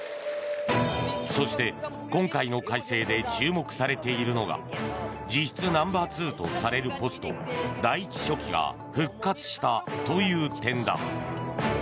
そして、今回の改正で注目されているのが実質ナンバー２とされるポスト第１書記が復活したという点だ。